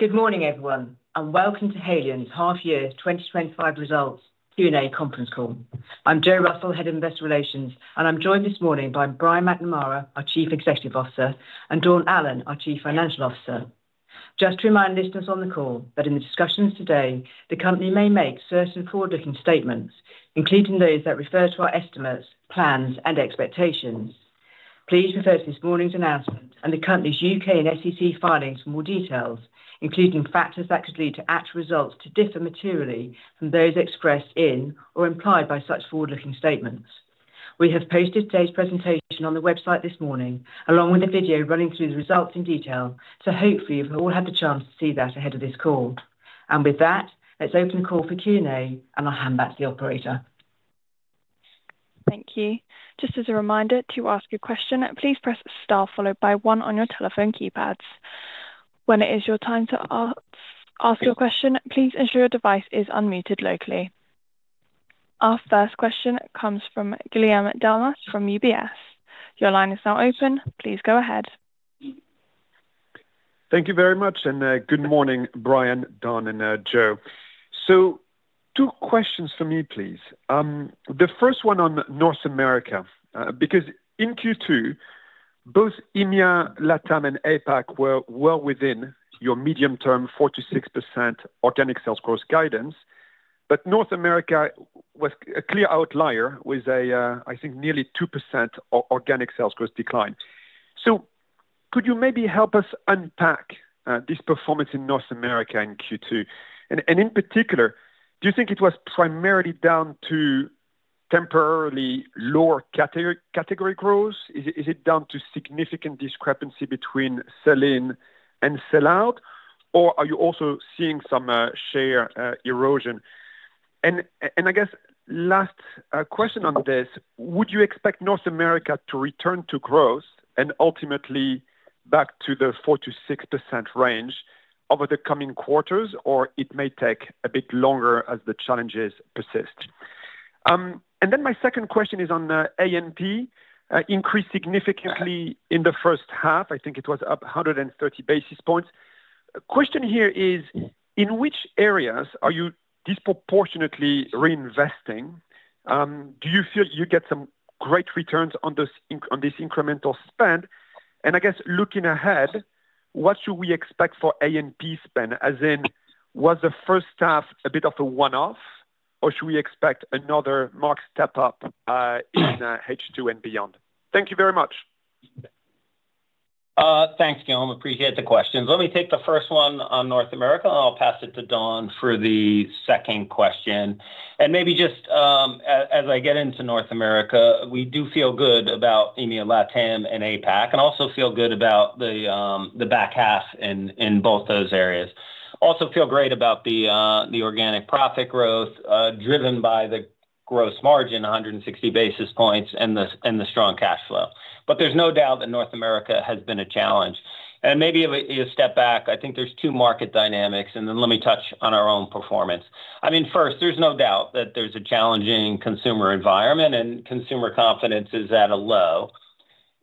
Good morning, everyone, and welcome to Haleon's half-year 2025 results Q&A conference call. I'm Jo Russell, Head of Investor Relations, and I'm joined this morning by Brian McNamara, our Chief Executive Officer, and Dawn Allen, our Chief Financial Officer. Just to remind listeners on the call that in the discussions today, the company may make certain forward-looking statements, including those that refer to our estimates, plans, and expectations. Please refer to this morning's announcement and the company's U.K. and SEC filings for more details, including factors that could lead to actual results to differ materially from those expressed in or implied by such forward-looking statements. We have posted today's presentation on the website this morning, along with a video running through the results in detail, so hopefully you've all had the chance to see that ahead of this call. With that, let's open the call for Q&A, and I'll hand back to the operator. Thank you. Just as a reminder, to ask your question, please press star followed by one on your telephone keypads. When it is your time to ask your question, please ensure your device is unmuted locally. Our first question comes from Guillaume Delmas from UBS. Your line is now open. Please go ahead. Thank you very much, and good morning, Brian, Dawn, and Jo. Two questions for me, please. The first one on North America, because in Q2, both EMEA, LATAM, and APAC were well within your medium-term 4%-6% organic sales growth guidance, but North America was a clear outlier with a, I think, nearly 2% organic sales growth decline. Could you maybe help us unpack this performance in North America in Q2? In particular, do you think it was primarily down to temporarily lower category growth? Is it down to significant discrepancy between sell-in and sell-out, or are you also seeing some share erosion? Last question on this, would you expect North America to return to growth and ultimately back to the 4%-6% range over the coming quarters, or it may take a bit longer as the challenges persist? My second question is on A&P, increased significantly in the first half, I think it was up 130 basis points. The question here is, in which areas are you disproportionately reinvesting? Do you feel you get some great returns on this incremental spend? Looking ahead, what should we expect for A&P spend, as in, was the first half a bit of a one-off, or should we expect another marked step up in H2 and beyond? Thank you very much. Thanks, Guillaume. Appreciate the questions. Let me take the first one on North America, and I'll pass it to Dawn for the second question. Maybe just as I get into North America, we do feel good about EMEA, LATAM, and APAC, and also feel good about the back half in both those areas. We also feel great about the organic profit growth driven by the gross margin, 160 basis points, and the strong cash flow. There is no doubt that North America has been a challenge. Taking a step back, I think there are two market dynamics, and then let me touch on our own performance. First, there is no doubt that there is a challenging consumer environment, and consumer confidence is at a low.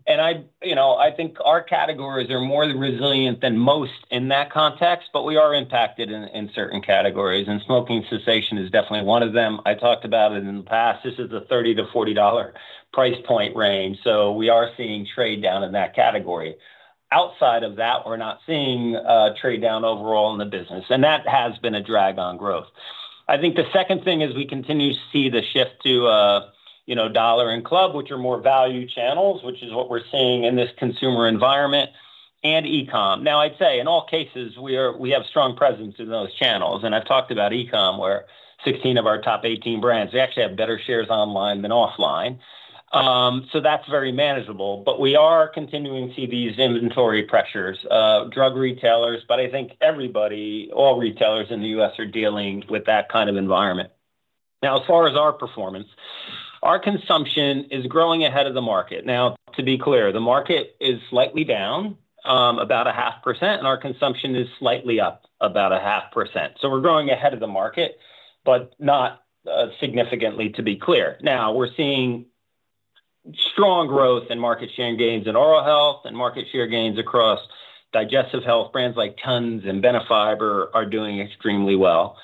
I think our categories are more resilient than most in that context, but we are impacted in certain categories, and smoking cessation is definitely one of them. I talked about it in the past. This is the $30-$40 price point range, so we are seeing trade down in that category. Outside of that, we're not seeing trade down overall in the business, and that has been a drag on growth. The second thing is we continue to see the shift to Dollar and Club, which are more value channels, which is what we're seeing in this consumer environment, and e-commerce. In all cases, we have strong presence in those channels, and I've talked about e-commerce, where 16 of our top 18 brands actually have better shares online than offline. That is very manageable, but we are continuing to see these inventory pressures, drug retailers, but I think everybody, all retailers in the U.S. are dealing with that kind of environment. As far as our performance, our consumption is growing ahead of the market. To be clear, the market is slightly down about 0.5%, and our consumption is slightly up about 0.5%. We are growing ahead of the market, but not significantly, to be clear. We are seeing strong growth in market share gains in oral health and market share gains across digestive health. Brands like TUMS and Benefiber are doing extremely well.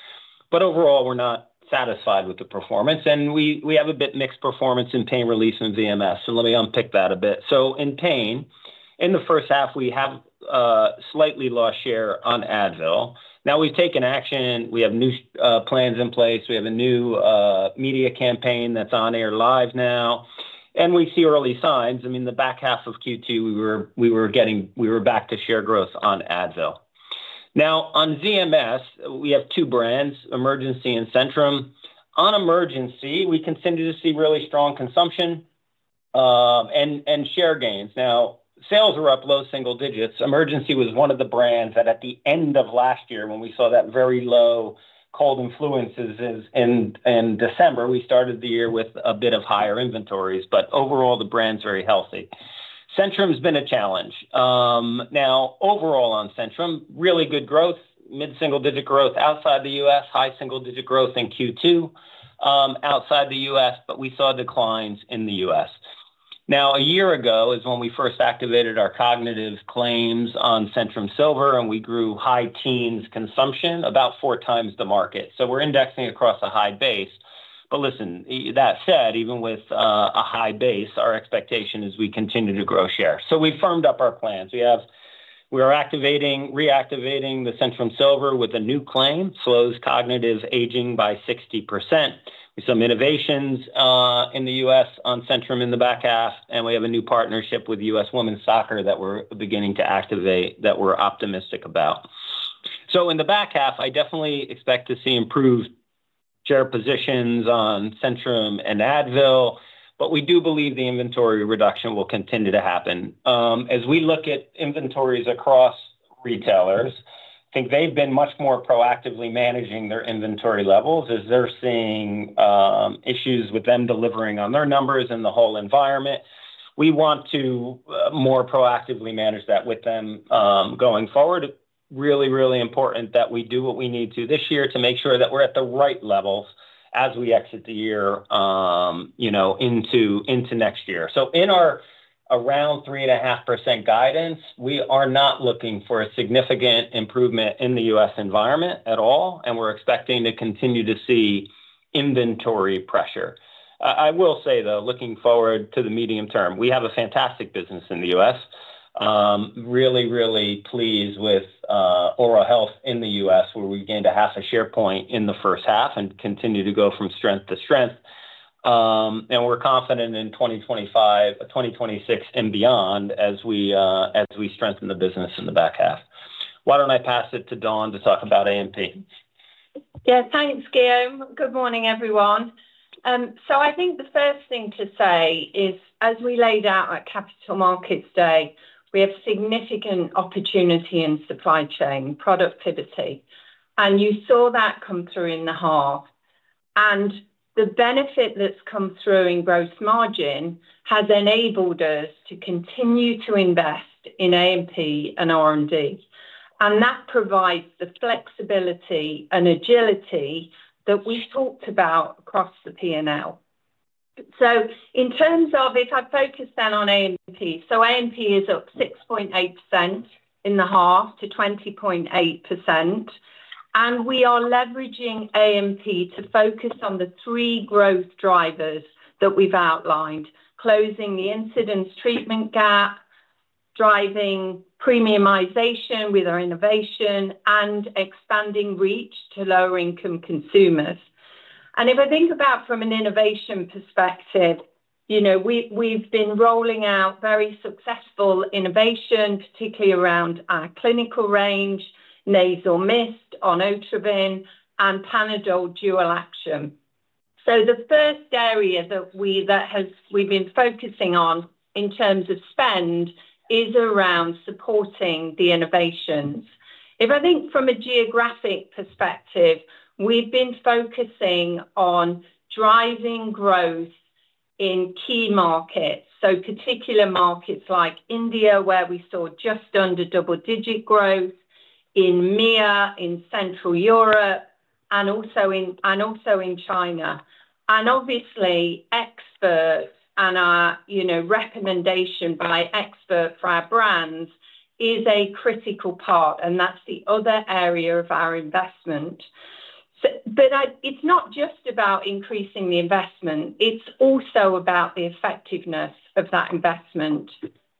Overall, we're not satisfied with the performance, and we have a bit mixed performance in pain relief and VMS, so let me unpick that a bit. In pain, in the first half, we have slightly lost share on Advil. We have taken action. We have new plans in place. We have a new media campaign that's on air live now, and we see early signs. I mean, the back half of Q2, we were back to share growth on Advil. Now, on VMS, we have two brands, Emergen-C and Centrum. On Emergen-C, we continue to see really strong consumption and share gains. Now, sales were up low single digits. Emergen-C was one of the brands that at the end of last year, when we saw that very low cold influences in December, we started the year with a bit of higher inventories, but overall, the brand's very healthy. Centrum's been a challenge. Now, overall on Centrum, really good growth, mid-single digit growth outside the us, high single digit growth in Q2 outside the us, but we saw declines in the us A year ago is when we first activated our cognitive aging claim on Centrum Silver, and we grew high teens consumption, about four times the market. We're indexing across a high base. That said, even with a high base, our expectation is we continue to grow share. We've firmed up our plans. We are reactivating the Centrum Silver with a new claim, slows cognitive aging by 60%. We saw some innovations in the U.S. on Centrum in the back half, and we have a new partnership with U.S. Women’s Soccer that we're beginning to activate that we're optimistic about. In the back half, I definitely expect to see improved share positions on Centrum and Advil, but we do believe the inventory reduction will continue to happen. As we look at inventories across retailers, I think they've been much more proactively managing their inventory levels as they're seeing issues with them delivering on their numbers and the whole environment. We want to more proactively manage that with them going forward. Really, really important that we do what we need to this year to make sure that we're at the right levels as we exit the year into next year. In our around 3.5% guidance, we are not looking for a significant improvement in the U.S. environment at all, and we're expecting to continue to see inventory pressure. I will say, though, looking forward to the medium term, we have a fantastic business in the U.S. Really, really pleased with oral health in the us, where we gained a half a share point in the first half and continue to go from strength to strength. We're confident in 2025, 2026, and beyond as we strengthen the business in the back half. Why don't I pass it to Dawn to talk about A&P? Yeah, thanks, Guillaume. Good morning, everyone. I think the first thing to say is, as we laid out at Capital Markets Day, we have significant opportunity in supply chain productivity, and you saw that come through in the half. The benefit that's come through in gross margin has enabled us to continue to invest in A&P and R&D, and that provides the flexibility and agility that we talked about across the P&L. In terms of, if I focus then on A&P, A&P is up 6.8% in the half to 20.8%. We are leveraging A&P to focus on the three growth drivers that we've outlined: closing the incidence treatment gap, driving premiumization with our innovation, and expanding reach to lower-income consumers. If I think about from an innovation perspective, we've been rolling out very successful innovation, particularly around our clinical range, nasal mist on Otrivin, and Panadol dual action. The first area that we've been focusing on in terms of spend is around supporting the innovations. If I think from a geographic perspective, we've been focusing on driving growth in key markets, so particular markets like India, where we saw just under double-digit growth, in EMEA, in Central Europe, and also in China. Obviously, experts and our recommendation by experts for our brands is a critical part, and that's the other area of our investment. It's not just about increasing the investment. It's also about the effectiveness of that investment.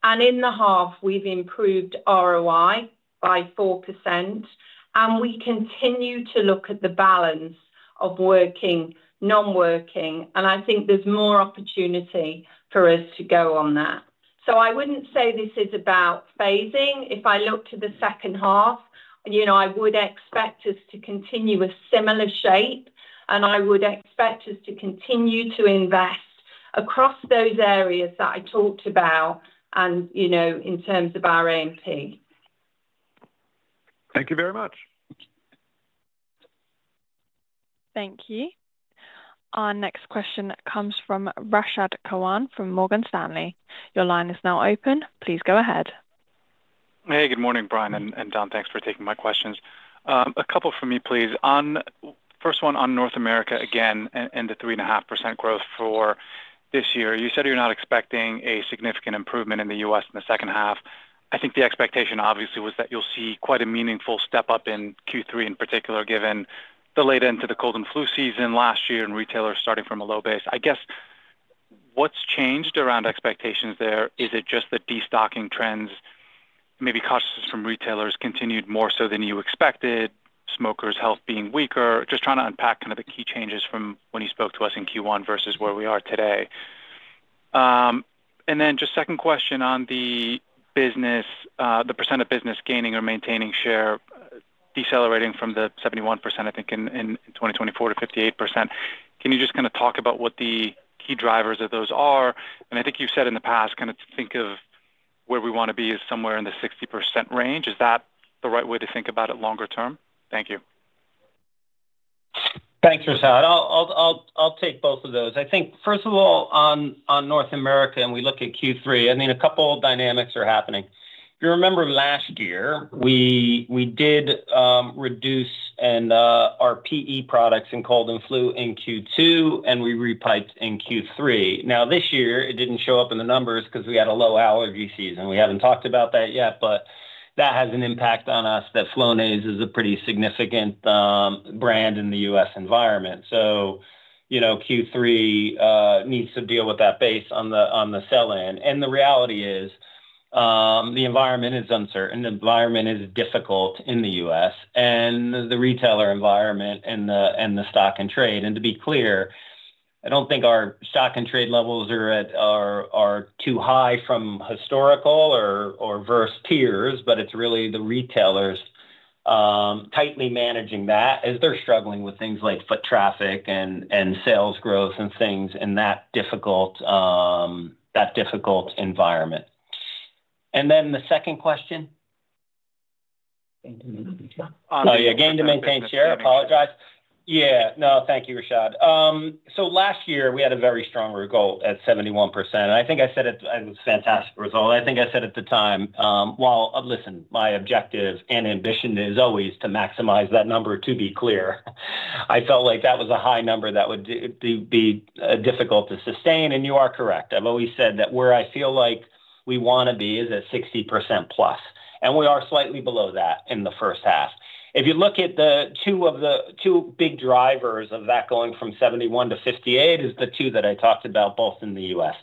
In the half, we've improved ROI by 4%, and we continue to look at the balance of working, non-working, and I think there's more opportunity for us to go on that. I wouldn't say this is about phasing. If I look to the second half, I would expect us to continue with similar shape, and I would expect us to continue to invest across those areas that I talked about in terms of our A&P. Thank you very much. Thank you. Our next question comes from Rashad Kawan from Morgan Stanley. Your line is now open. Please go ahead. Hey, good morning, Brian and Dawn. Thanks for taking my questions. A couple for me, please. First one on North America again and the 3.5% growth for this year. You said you're not expecting a significant improvement in the U.S. in the second half. I think the expectation obviously was that you'll see quite a meaningful step up in Q3 in particular, given the late end to the cold and flu season last year and retailers starting from a low base. What's changed around expectations there? Is it just the destocking trends, maybe costs from retailers continued more so than you expected, smokers' health being weaker? Just trying to unpack kind of the key changes from when you spoke to us in Q1 versus where we are today. Second question on the percentage of business gaining or maintaining share, decelerating from the 71% in 2024 to 58%. Can you just kind of talk about what the key drivers of those are? I think you've said in the past, kind of think of where we want to be as somewhere in the 60% range. Is that the right way to think about it longer term? Thank you. Thanks, Rashad. I'll take both of those. I think, first of all, on North America, and we look at Q3, a couple of dynamics are happening. If you remember last year, we did reduce our PE products in cold and flu in Q2, and we re-piped in Q3. This year, it didn't show up in the numbers because we had a low allergy season. We haven't talked about that yet, but that has an impact on us, as Flonase is a pretty significant brand in the U.S. environment. Q3 needs to deal with that base on the sell-in. The reality is the environment is uncertain. The environment is difficult in the U.S. and the retailer environment and the stock and trade. To be clear, I don't think our stock and trade levels are too high from historical or versus tiers, but it's really the retailers tightly managing that as they're struggling with things like foot traffic and sales growth and things in that difficult environment. Then the second question. Oh, yeah, gain to maintain share. I apologize. Yeah. No, thank you, Rashad. Last year, we had a very strong result at 71%. I think I said it was a fantastic result. I think I said at the time, my objective and ambition is always to maximize that number to be clear. I felt like that was a high number that would be difficult to sustain. You are correct. I've always said that where I feel like we want to be is at 60%+. We are slightly below that in the first half. If you look at the two big drivers of that going from 71%-58%, it is the two that I talked about both in the U.S.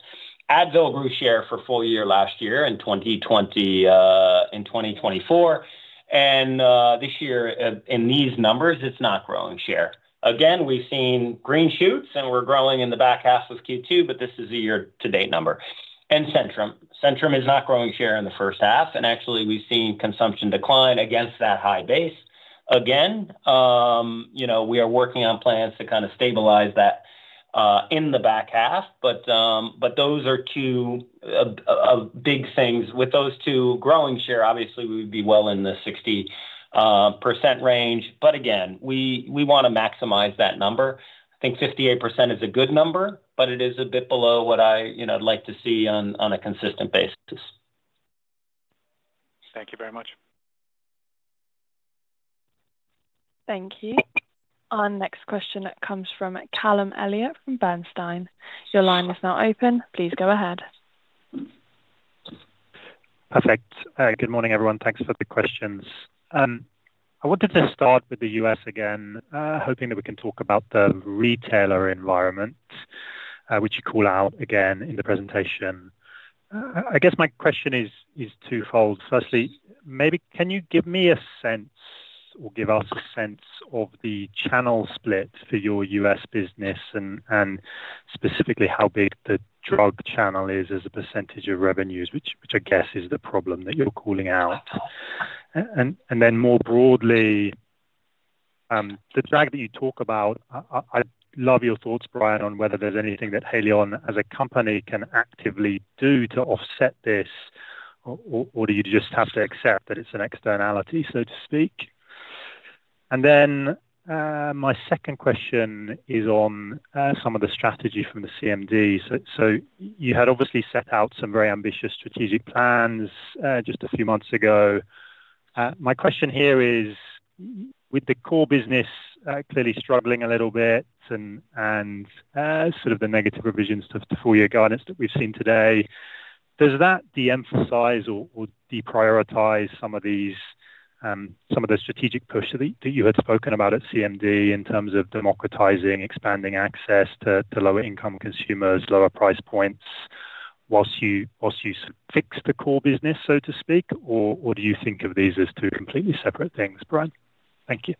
Advil grew share for full year last year and 2024. This year, in these numbers, it's not growing share. We've seen green shoots, and we're growing in the back half of Q2, but this is a year-to-date number. Centrum is not growing share in the first half. We've seen consumption decline against that high base. We are working on plans to kind of stabilize that in the back half. Those are two big things. With those two growing share, we would be well in the 60% range. We want to maximize that number. I think 58% is a good number, but it is a bit below what I'd like to see on a consistent basis. Thank you very much. Thank you. Our next question comes from Callum Elliott from Bernstein. Your line is now open. Please go ahead. Perfect. Good morning, everyone. Thanks for the questions. I wanted to start with the U.S. again, hoping that we can talk about the retailer environment, which you call out again in the presentation. I guess my question is twofold. Firstly, maybe can you give me a sense or give us a sense of the channel split for your U.S. business and specifically how big the drug channel is as a percentage of revenues, which I guess is the problem that you're calling out? More broadly, the drag that you talk about. I love your thoughts, Brian, on whether there's anything that Haleon as a company can actively do to offset this, or do you just have to accept that it's an externality, so to speak? My second question is on some of the strategy from the CMD. You had obviously set out some very ambitious strategic plans just a few months ago. My question here is, with the core business clearly struggling a little bit and sort of the negative revisions to full-year guidance that we've seen today, does that de-emphasize or deprioritize some of the strategic push that you had spoken about at CMD in terms of democratizing, expanding access to lower-income consumers, lower price points whilst you fix the core business, so to speak? Do you think of these as two completely separate things, Brian? Thank you.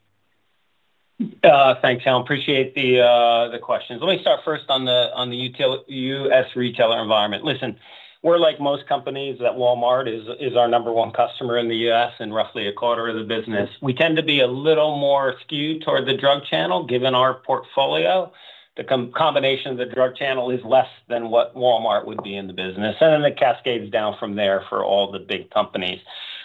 Thanks, Haleon. Appreciate the questions. Let me start first on the U.S. retailer environment. Listen, we're like most companies that Walmart is our number one customer in the U.S. and roughly a quarter of the business. We tend to be a little more skewed toward the drug channel given our portfolio. The combination of the drug channel is less than what Walmart would be in the business, and then it cascades down from there for all the big companies.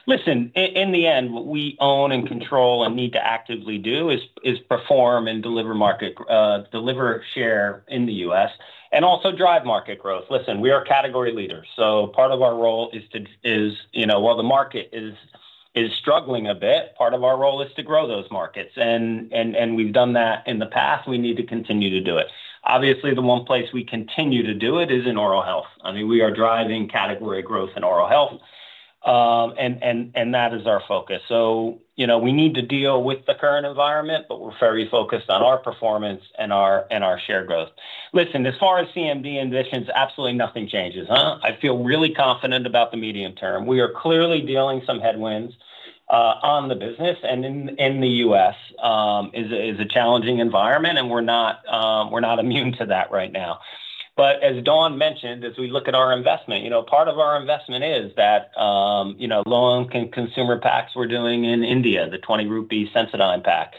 Listen, in the end, what we own and control and need to actively do is perform and deliver market share in the U.S. and also drive market growth. Listen, we are category leaders. Part of our role is, while the market is struggling a bit, to grow those markets. We've done that in the past. We need to continue to do it. Obviously, the one place we continue to do it is in oral health. I mean, we are driving category growth in oral health, and that is our focus. We need to deal with the current environment, but we're very focused on our performance and our share growth. Listen, as far as CMD ambitions, absolutely nothing changes. I feel really confident about the medium term. We are clearly dealing with some headwinds on the business, and in the U.S. it is a challenging environment, and we're not immune to that right now. As Dawn mentioned, as we look at our investment, part of our investment is that low-income consumer packs we're doing in India, the 20 rupee Sensodyne pack,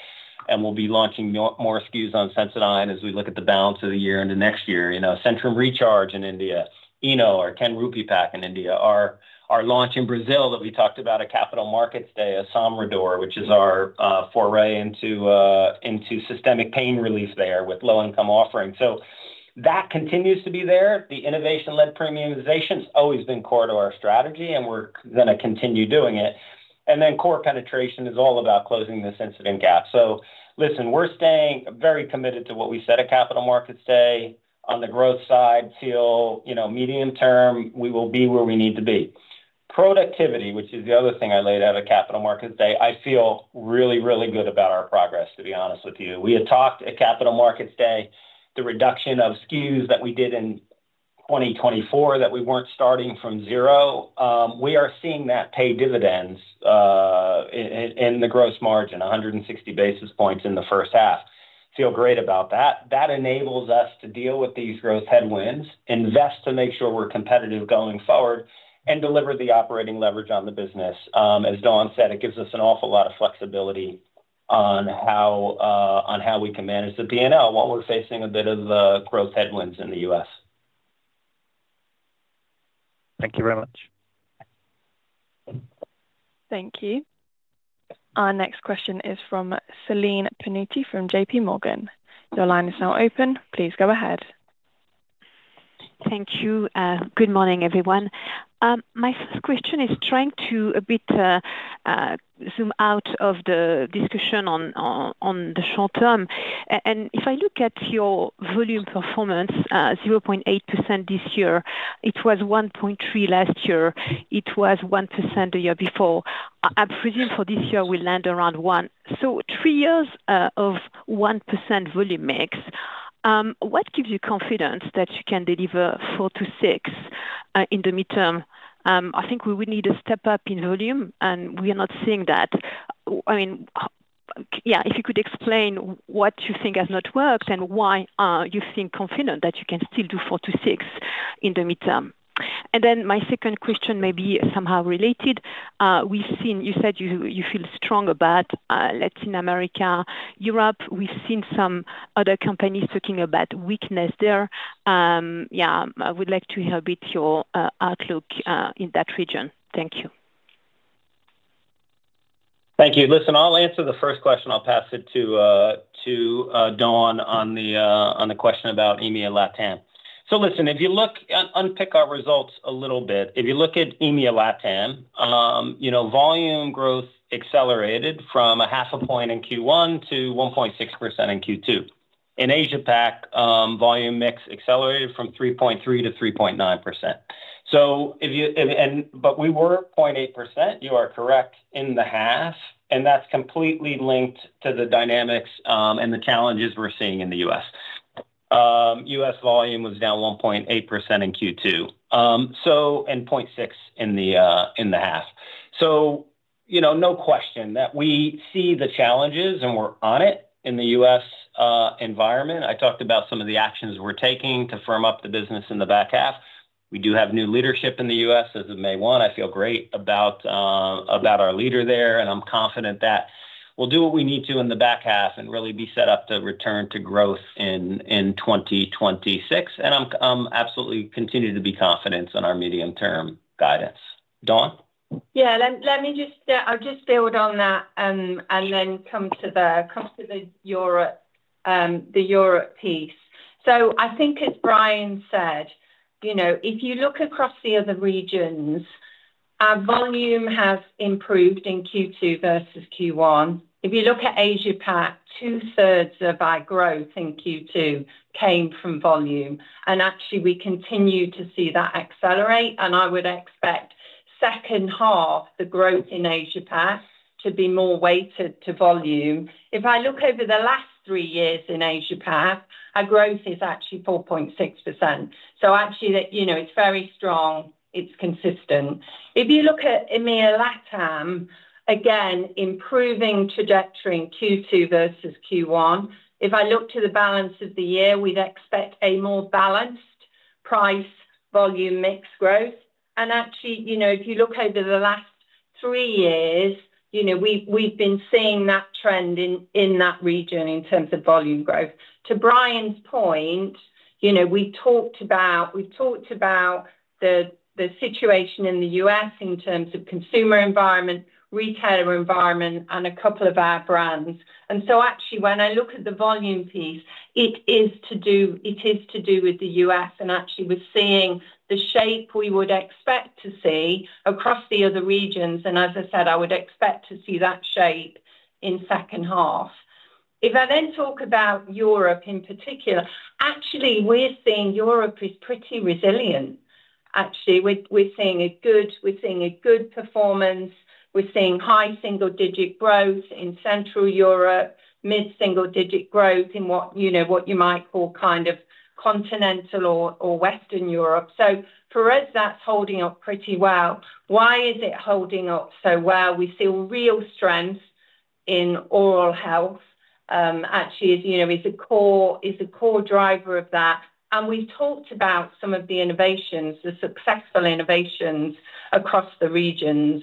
and we'll be launching more SKUs on Sensodyne as we look at the balance of the year and the next year. Centrum Recharge in India, Eno or INR 10 pack in India, our launch in Brazil that we talked about at Capital Markets Day, Somridor, which is our foray into systemic pain relief there with low-income offerings, so that continues to be there. The innovation-led premiumization has always been core to our strategy, and we're going to continue doing it. Core penetration is all about closing this incidence treatment gap. Listen, we're staying very committed to what we said at Capital Markets Day. On the growth side, I feel medium-term, we will be where we need to be. Productivity, which is the other thing I laid out at Capital Markets Day, I feel really, really good about our progress, to be honest with you. We had talked at Capital Markets Day, the reduction of SKUs that we did in 2024, that we weren't starting from zero. We are seeing that pay dividends in the gross margin, 160 basis points in the first half. Feel great about that. That enables us to deal with these growth headwinds, invest to make sure we're competitive going forward, and deliver the operating leverage on the business. As Dawn said, it gives us an awful lot of flexibility on how we can manage the P&L while we're facing a bit of the growth headwinds in the us Thank you very much. Thank you. Our next question is from Celine Pannuti from JP Morgan. Your line is now open. Please go ahead. Thank you. Good morning, everyone. My first question is trying to, a bit, zoom out of the discussion on the short term. If I look at your volume performance, 0.8% this year, it was 1.3% last year, it was 1% the year before. I presume for this year, we'll land around 1%. So three years of 1% volume mix. What gives you confidence that you can deliver 4%-6% in the midterm? I think we would need a step up in volume, and we are not seeing that. If you could explain what you think has not worked and why you think confident that you can still do 4%-6% in the midterm. My second question may be somehow related. You said you feel strong about Latin America, Europe. We've seen some other companies talking about weakness there. I would like to hear a bit your outlook in that region. Thank you. Thank you. I'll answer the first question. I'll pass it to Dawn on the question about EMEA LATAM. If you look and unpick our results a little bit, if you look at EMEA LATAM, volume growth accelerated from 0.5% in Q1 to 1.6% in Q2. In APAC, volume mix accelerated from 3.3%-3.9%. We were 0.8% in the half, and that's completely linked to the dynamics and the challenges we're seeing in the U.S. us volume was down 1.8% in Q2 and 0.6% in the half. There is no question that we see the challenges and we're on it in the U.S. environment. I talked about some of the actions we're taking to firm up the business in the back half. We do have new leadership in the U.S. as of May 1. I feel great about our leader there, and I'm confident that we'll do what we need to in the back half and really be set up to return to growth in 2026. I'm absolutely continuing to be confident on our medium-term guidance. Dawn? Let me just build on that and then come to the Europe piece. I think, as Brian said, if you look across the other regions, volume has improved in Q2 versus Q1. If you look at APAC, two-thirds of our growth in Q2 came from volume. Actually, we continue to see that accelerate, and I would expect second half, the growth in APAC, to be more weighted to volume. If I look over the last three years in APAC, our growth is actually 4.6%. It's very strong. It's consistent. If you look at EMEA LATAM, again, improving trajectory in Q2 versus Q1. If I look to the balance of the year, we'd expect a more balanced price-volume mix growth. If you look over the last three years, we've been seeing that trend in that region in terms of volume growth. To Brian's point, we've talked about the situation in the U.S. in terms of consumer environment, retailer environment, and a couple of our brands. When I look at the volume piece, it is to do with the us, and we're seeing the shape we would expect to see across the other regions. As I said, I would expect to see that shape in second half. If I then talk about Europe in particular, we're seeing Europe is pretty resilient. We're seeing a good performance. We're seeing high single-digit growth in Central Europe, mid-single-digit growth in what you might call kind of continental or Western Europe. For us, that's holding up pretty well. Why is it holding up so well? We feel real strength in oral health is a core driver of that, and we've talked about some of the innovations, the successful innovations across the regions.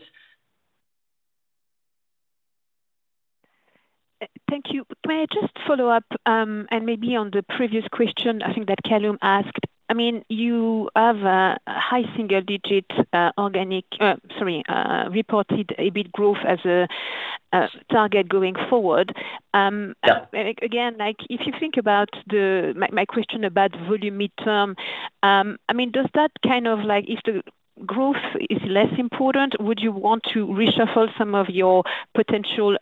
Thank you. May I just follow up and maybe on the previous question I think that Callum asked. I mean, you have a high single-digit organic, sorry, reported EBIT growth as a target going forward. If you think about my question about volume midterm, does that kind of like if the growth is less important, would you want to reshuffle some of your potential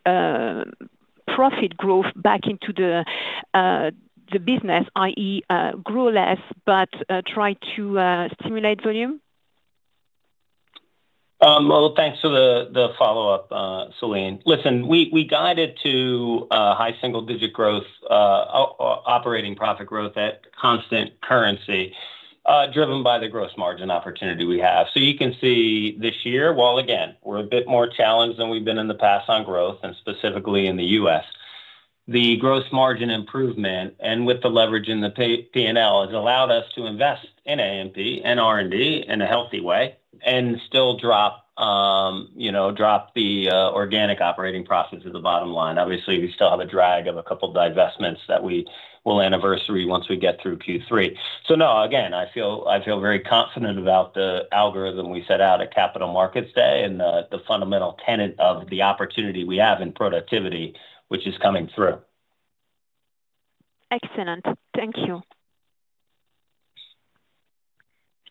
profit growth back into the business, i.e., grow less but try to stimulate volume? Thanks for the follow-up, Celine. Listen, we guided to high single-digit growth, operating profit growth at constant currency driven by the gross margin opportunity we have. You can see this year, while again, we're a bit more challenged than we've been in the past on growth, and specifically in the us, the gross margin improvement and with the leverage in the P&L has allowed us to invest in A&P and R&D in a healthy way and still drop the organic operating profits at the bottom line. Obviously, we still have a drag of a couple of divestments that we will anniversary once we get through Q3. I feel very confident about the algorithm we set out at Capital Markets Day and the fundamental tenet of the opportunity we have in productivity, which is coming through. Excellent. Thank you.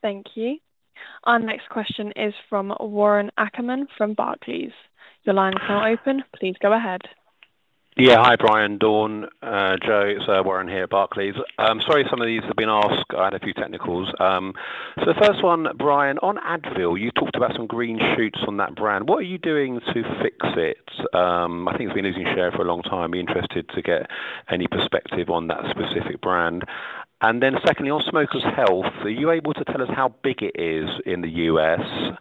Thank you. Our next question is from Warren Ackerman from Barclays. Your line is now open. Please go ahead. Yeah. Hi, Brian. Dawn, Jo, it's Warren here at Barclays. I'm sorry some of these have been asked. I had a few technicals. The first one, Brian, on Advil, you talked about some green shoots on that brand. What are you doing to fix it? I think it's been losing share for a long time. I'd be interested to get any perspective on that specific brand. Secondly, on smokers' health, are you able to tell us how big it is in the us,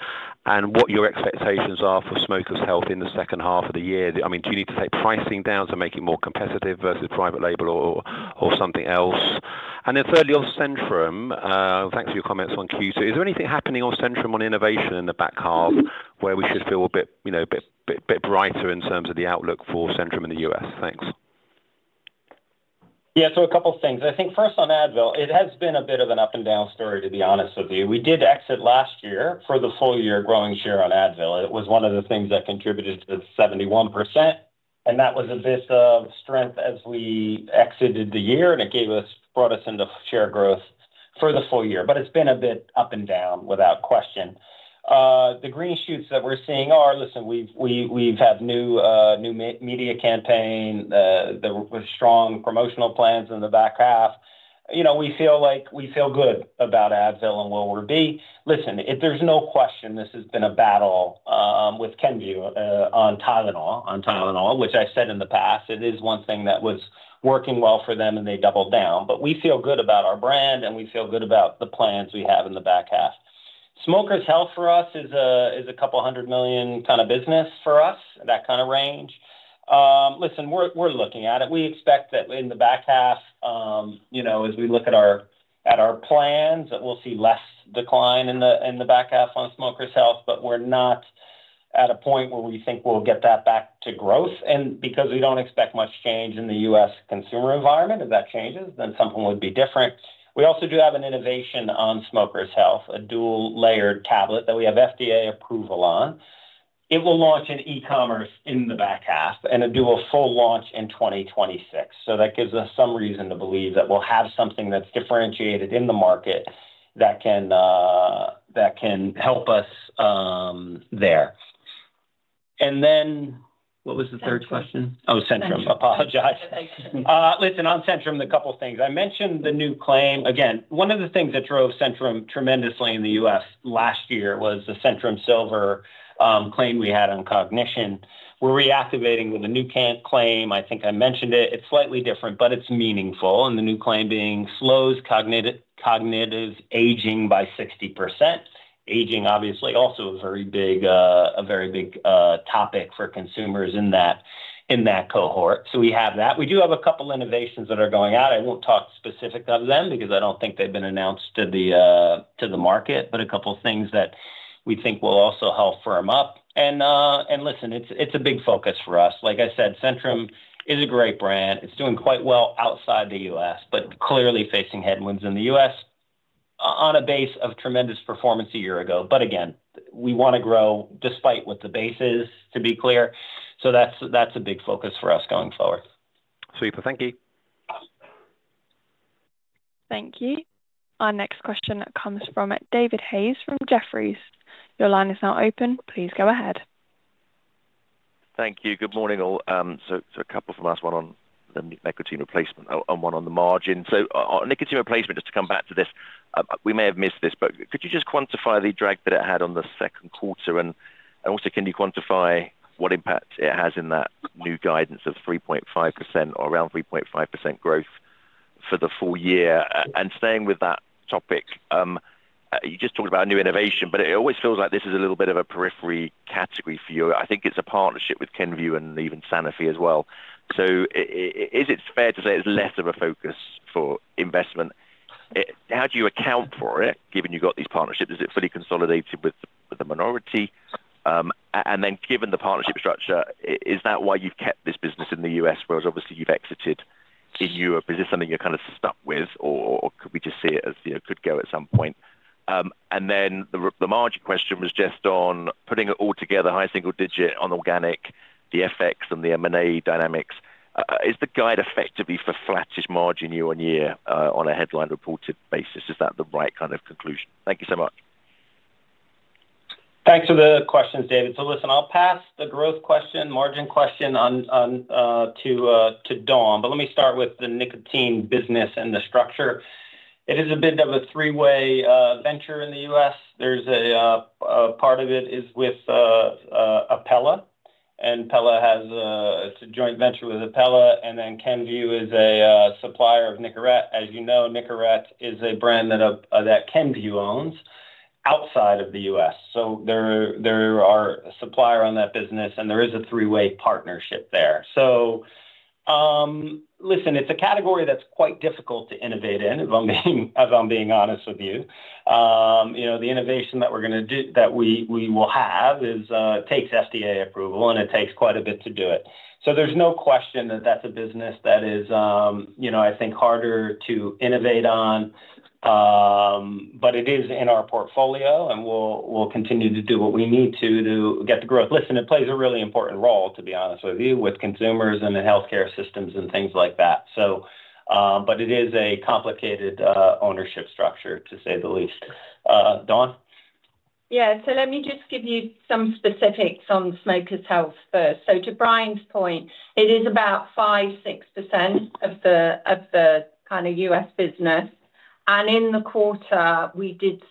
and what your expectations are for smokers' health in the second half of the year? Do you need to take pricing down to make it more competitive versus private label or something else? Thirdly, on Centrum, thanks for your comments on Q2. Is there anything happening on Centrum on innovation in the back half where we should feel a bit brighter in terms of the outlook for Centrum in the us? Thanks. Yeah. A couple of things. I think first on Advil, it has been a bit of an up-and-down story, to be honest with you. We did exit last year for the full year growing share on Advil. It was one of the things that contributed to 71%. That was a bit of strength as we exited the year, and it brought us into share growth for the full year. It's been a bit up and down, without question. The green shoots that we're seeing are, listen, we've had new media campaign with strong promotional plans in the back half. We feel good about Advil and where we're being. There's no question this has been a battle with Kenvue on Tylenol, which I said in the past. It is one thing that was working well for them, and they doubled down. We feel good about our brand, and we feel good about the plans we have in the back half. Smokers' health for us is a couple hundred million kind of business for us, that kind of range. Listen, we're looking at it. We expect that in the back half, as we look at our plans, that we'll see less decline in the back half on smokers' health. We're not at a point where we think we'll get that back to growth. We don't expect much change in the U.S. consumer environment. If that changes, then something would be different. We also do have an innovation on smokers' health, a dual-layered nicotine tablet that we have FDA approval on. It will launch in e-commerce in the back half and a dual full launch in 2026. That gives us some reason to believe that we'll have something that's differentiated in the market that can help us there. What was the third question? Oh, Centrum. Apologize. Listen, on Centrum, a couple of things. I mentioned the new claim. Again, one of the things that drove Centrum tremendously in the U.S. last year was the Centrum Silver claim we had on cognition. We're reactivating with a new claim. I think I mentioned it. It's slightly different, but it's meaningful. The new claim being slows cognitive aging by 60%. Aging, obviously, also a very big topic for consumers in that cohort. We have that. We do have a couple of innovations that are going out. I won't talk specifically about them because I don't think they've been announced to the market, but a couple of things that we think will also help firm up. Listen, it's a big focus for us. Like I said, Centrum is a great brand. It's doing quite well outside the us, but clearly facing headwinds in the U.S. on a base of tremendous performance a year ago. We want to grow despite what the base is, to be clear. That's a big focus for us going forward. Super. Thank you. Thank you. Our next question comes from David Hayes from Jefferies. Your line is now open. Please go ahead. Thank you. Good morning. A couple of them asked, one on the nicotine replacement and one on the margin. On nicotine replacement, just to come back to this, we may have missed this, but could you just quantify the drag that it had on the second quarter? Also, can you quantify what impact it has in that new guidance of 3.5% or around 3.5% growth for the full year? Staying with that topic, you just talked about a new innovation, but it always feels like this is a little bit of a periphery category for you. I think it's a partnership with Kenvue and even Sanofi as well. Is it fair to say it's less of a focus for investment? How do you account for it, given you've got these partnerships? Is it fully consolidated with the minority? Given the partnership structure, is that why you've kept this business in the us, whereas obviously you've exited in Europe? Is this something you're kind of stuck with, or could we just see it as could go at some point? The margin question was just on putting it all together, high single digit on organic, the FX and the M&A dynamics. Is the guide effectively for flattish margin year-on-year on a headline reported basis? Is that the right kind of conclusion? Thank you so much. Thanks for the questions, David. I'll pass the growth question, margin question to Dawn. Let me start with the nicotine business and the structure. It is a bit of a three-way venture in the U.S. Part of it is with Perrigo. Perrigo has a joint venture with Haleon, and then Kenvue is a supplier of Nicorette. As you know, Nicorette is a brand that Kenvue owns outside of the us, so they are a supplier on that business, and there is a three-way partnership there. It's a category that's quite difficult to innovate in, if I'm being honest with you. The innovation that we're going to do, that we will have, takes FDA approval, and it takes quite a bit to do it. There's no question that that's a business that is, I think, harder to innovate on, but it is in our portfolio, and we'll continue to do what we need to get the growth. It plays a really important role, to be honest with you, with consumers and in healthcare systems and things like that. It is a complicated ownership structure, to say the least. Dawn? Yeah. Let me just give you some specifics on smokers' health first. To Brian's point, it is about 5, 6% of the kind of U.S. business. In the quarter, we did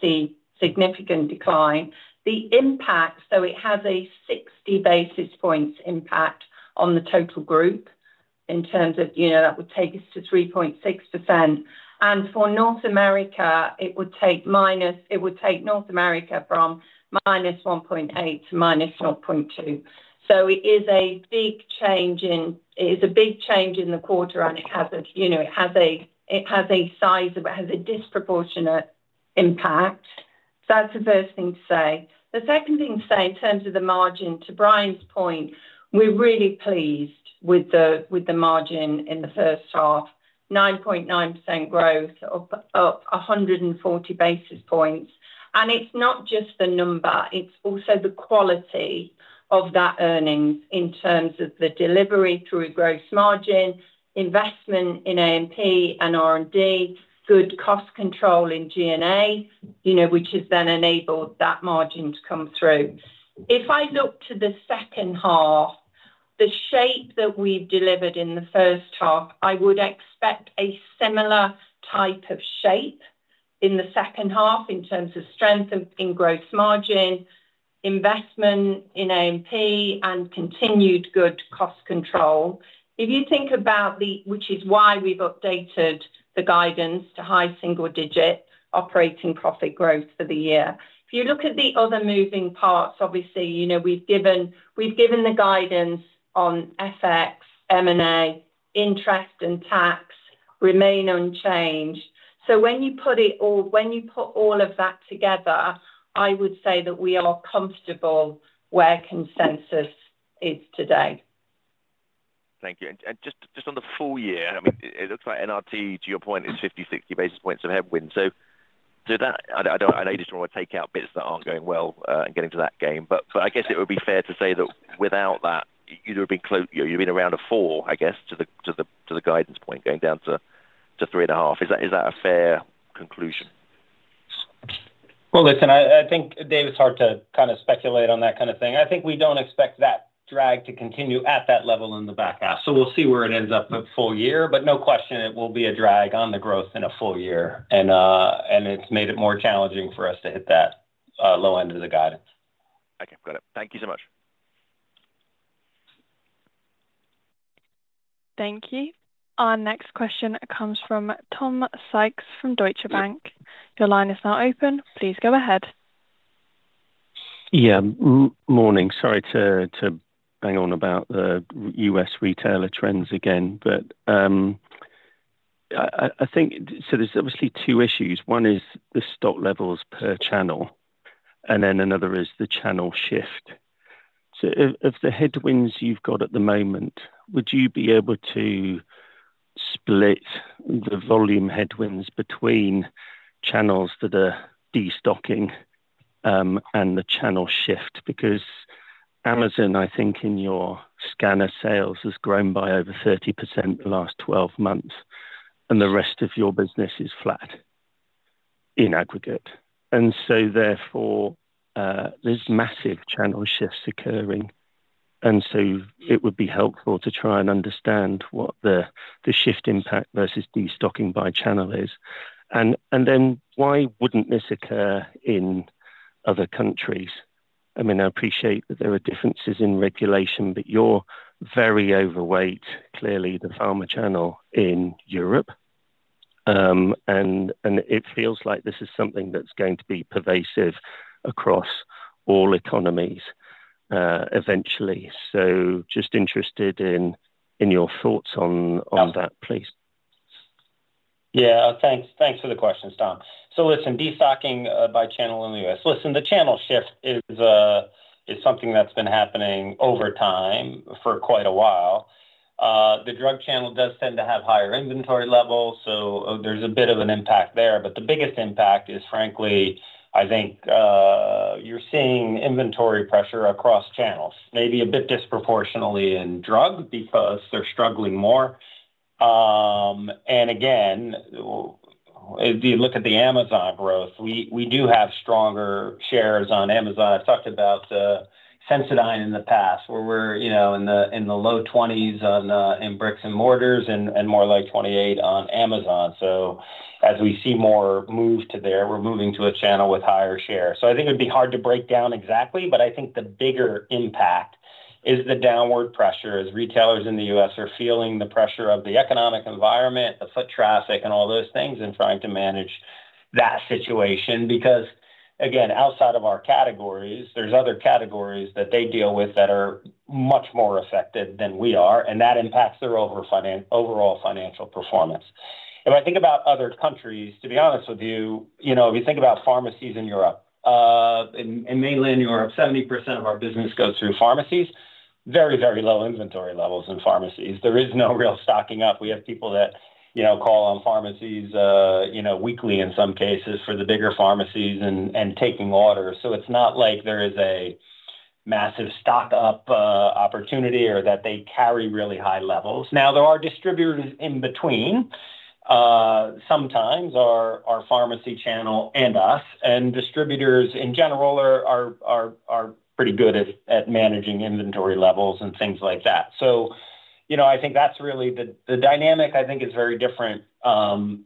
see significant decline. The impact, so it has a 60 basis points impact on the total group. In terms of that, it would take us to 3.6%. For North America, it would take North America from -1.8% to -0.2%. It is a big change in the quarter, and it has a disproportionate impact. That's the first thing to say. The second thing to say in terms of the margin, to Brian's point, we're really pleased with the margin in the first half, 9.9% growth of 140 basis points. It's not just the number. It's also the quality of that earnings in terms of the delivery through gross margin, investment in A&P and R&D, good cost control in G&A, which has then enabled that margin to come through. If I look to the second half, the shape that we've delivered in the first half, I would expect a similar type of shape in the second half in terms of strength in gross margin, investment in A&P, and continued good cost control. If you think about the, which is why we've updated the guidance to high single-digit operating profit growth for the year. If you look at the other moving parts, obviously, we've given the guidance on FX, M&A, interest, and tax remain unchanged. When you put all of that together, I would say that we are comfortable where consensus is today. Thank you. Just on the full year, it looks like NRT, to your point, is 50 or 60 basis points of headwind. I know you just want to take out bits that aren't going well and get into that game. I guess it would be fair to say that without that, you'd have been around a 4, I guess, to the guidance point, going down to 3.5%. Is that a fair conclusion? I think, Dave, it's hard to kind of speculate on that kind of thing. I think we don't expect that drag to continue at that level in the back half. We'll see where it ends up the full year. There is no question it will be a drag on the growth in a full year, and it's made it more challenging for us to hit that low end of the guidance. Okay, got it. Thank you so much. Thank you. Our next question comes from Tom Sykes from Deutsche Bank. Your line is now open. Please go ahead. Morning. Sorry to bang on about the U.S. retailer trends again. There are obviously two issues. One is the stock levels per channel, and then another is the channel shift. Of the headwinds you've got at the moment, would you be able to split the volume headwinds between channels that are destocking and the channel shift? Amazon, I think, in your scanner sales has grown by over 30% the last 12 months, and the rest of your business is flat in aggregate. Therefore, there's massive channel shifts occurring. It would be helpful to try and understand what the shift impact versus destocking by channel is. Why wouldn't this occur in other countries? I appreciate that there are differences in regulation, but you're very overweight, clearly, the pharma channel in Europe. It feels like this is something that's going to be pervasive across all economies eventually. Just interested in your thoughts on that, please. Yeah. Thanks for the question, Stan. Listen, destocking by channel in the U.S. The channel shift is something that's been happening over time for quite a while. The drug channel does tend to have higher inventory levels, so there's a bit of an impact there. The biggest impact is, frankly, I think you're seeing inventory pressure across channels, maybe a bit disproportionately in drug because they're struggling more. If you look at the Amazon growth, we do have stronger shares on Amazon. I've talked about Sensodyne in the past, where we're in the low 20s in bricks and mortars and more like 28% on Amazon. As we see more move to there, we're moving to a channel with higher shares. I think it'd be hard to break down exactly, but I think the bigger impact is the downward pressure as retailers in the us are feeling the pressure of the economic environment, the foot traffic, and all those things, and trying to manage that situation. Outside of our categories, there's other categories that they deal with that are much more affected than we are, and that impacts their overall financial performance. If I think about other countries, to be honest with you, if you think about pharmacies in Europe, in mainland Europe, 70% of our business goes through pharmacies, very, very low inventory levels in pharmacies. There is no real stocking up. We have people that call on pharmacies weekly in some cases for the bigger pharmacies and taking orders. It's not like there is a massive stock-up opportunity or that they carry really high levels. There are distributors in between sometimes, our pharmacy channel and us. Distributors in general are pretty good at managing inventory levels and things like that. I think that's really the dynamic, I think, is very different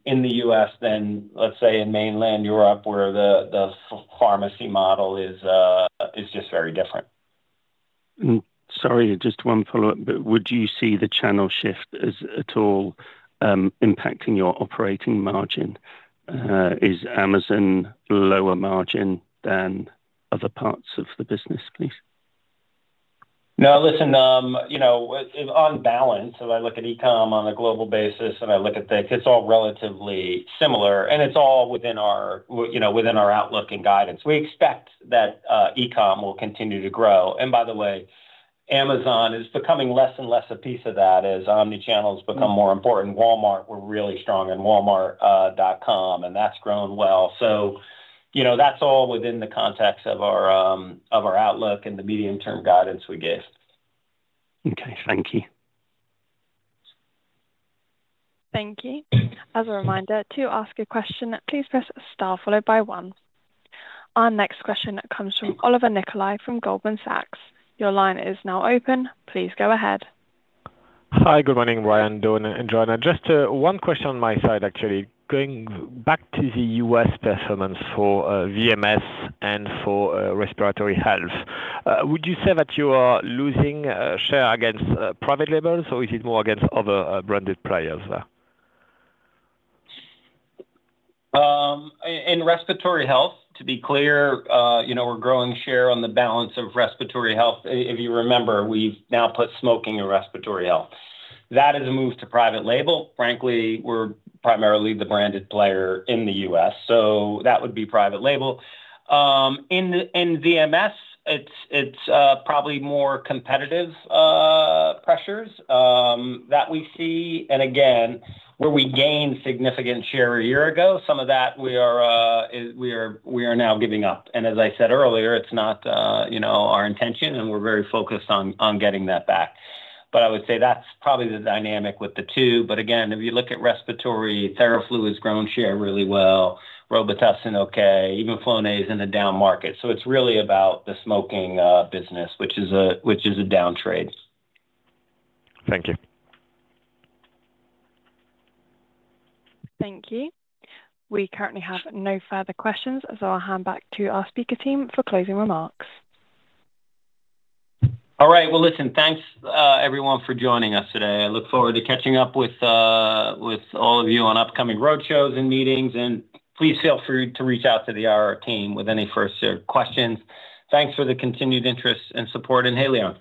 in the U.S. than, let's say, in mainland Europe, where the pharmacy model is just very different. Sorry, just one follow-up. Would you see the channel shift at all impacting your operating margin? Is Amazon lower margin than other parts of the business, please? No, listen. On balance, if I look at e-commerce on a global basis and I look at things, it's all relatively similar, and it's all within our outlook and guidance. We expect that e-commerce will continue to grow. By the way, Amazon is becoming less and less a piece of that as omnichannel has become more important. Walmart, we're really strong in Walmart.com, and that's grown well. That's all within the context of our outlook and the medium-term guidance we give. Okay. Thank you. Thank you. As a reminder, to ask a question, please press star followed by one. Our next question comes from Olivier Nicolai from Goldman Sachs. Your line is now open. Please go ahead. Hi, good morning, Brian. Just one question on my side, actually. Going back to the U.S. performance for VMS and for respiratory health, would you say that you are losing share against private labels, or is it more against other branded players there? In respiratory health, to be clear, we're growing share on the balance of respiratory health. If you remember, we've now put smoking and respiratory health. That is a move to private label. Frankly, we're primarily the branded player in the us, so that would be private label. In VMS, it's probably more competitive pressures that we see. Where we gained significant share a year ago, some of that we are now giving up. As I said earlier, it's not our intention, and we're very focused on getting that back. I would say that's probably the dynamic with the two. If you look at respiratory, Theraflu has grown share really well, Robitussin okay, even Flonase in a down market. It's really about the smoking business, which is a down trade. Thank you. Thank you. We currently have no further questions, so I'll hand back to our speaker team for closing remarks. All right. Thanks, everyone, for joining us today. I look forward to catching up with all of you on upcoming roadshows and meetings. Please feel free to reach out to the IR team with any first questions. Thanks for the continued interest and support in Haleon.